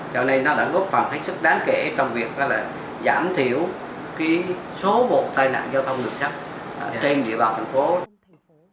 cho nên nó đã góp phẳng hết sức đáng kể trong việc giảm thiểu số một tai nạn giao thông được sắp trên địa bàn thành phố